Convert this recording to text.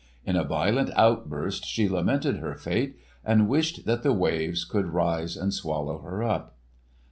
In a violent outburst she lamented her fate and wished that the waves could rise and swallow her up.